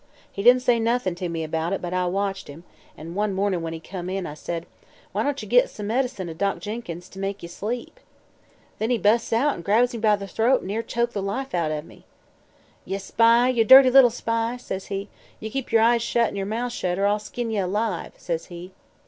He didn't say noth'n' to me about it, but I watched him, an' one mornin' when he come in I says: 'Why don't ye git some medicine o' Doc Jenkins to make ye sleep?' Then he busts out an' grabs me by the throat an' near choked the life out or me. "'Ye spy ye dirty little spy!' says he, 'ye keep yer eyes shut an' yer mouth shut, or I'll skin ye alive!' says he.